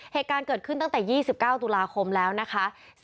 เหตุการณ์เกิดขึ้นตั้งแต่๒๙ตุลาคมแล้วนะคะ